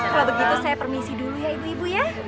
kalau begitu saya permisi dulu ya ibu ibu ya